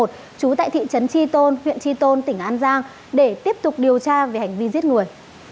trú tại thị trấn tri tôn huyện tri tôn tỉnh an giang để tiếp tục điều tra về hành vi giết người